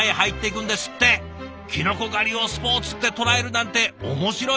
きのこ狩りをスポーツって捉えるなんて面白い！